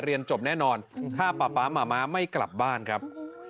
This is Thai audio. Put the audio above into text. เรียนจบแน่นอนถ้าป๊าป๊าม้าไม่กลับบ้านครับ